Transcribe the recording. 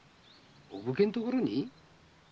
お武家んところに？